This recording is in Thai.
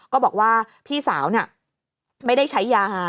ก็บอกว่าพี่สาวน่ะไม่ได้ใช้ยา